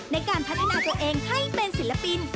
ในการพัฒนาตัวเองให้เป็นศิลปิน